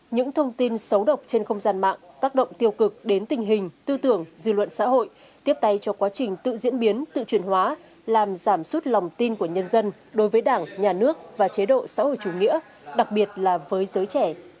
những thông tin xấu độc trên không gian mạng tác động tiêu cực đến tình hình tư tưởng dư luận xã hội tiếp tay cho quá trình tự diễn biến tự truyền hóa làm giảm sút lòng tin của nhân dân đối với đảng nhà nước và chế độ xã hội chủ nghĩa đặc biệt là với giới trẻ